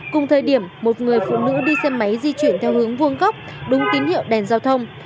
cùng thời điểm một người phụ nữ đi xe máy di chuyển theo hướng vuông góc đúng tín hiệu đèn giao thông